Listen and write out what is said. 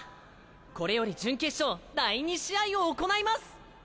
これより準決勝第２試合を行います！